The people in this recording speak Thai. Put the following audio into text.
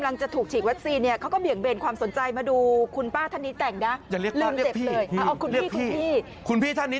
ยังไง